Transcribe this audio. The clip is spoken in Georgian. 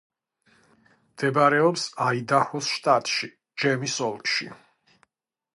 მდებარეობს აიდაჰოს შტატში, ჯემის ოლქში.